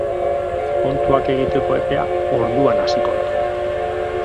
Kontuak egiteko epea orduan hasiko da.